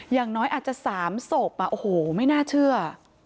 อย่างน้อยอาจจะ๓ศพโอ้โหไม่น่าเชื่อ